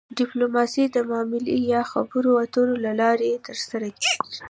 ډیپلوماسي د معاملې یا خبرو اترو له لارې ترسره کیږي